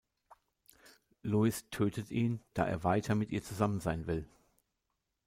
Louis tötet ihn, da er weiter mit ihr zusammen sein will.